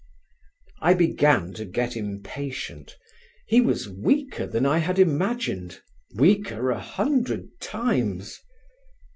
I began to get impatient; he was weaker than I had imagined, weaker a hundred times.